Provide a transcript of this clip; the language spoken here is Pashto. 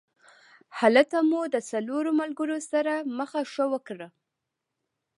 هلته مو د څلورو ملګرو سره مخه ښه وکړه.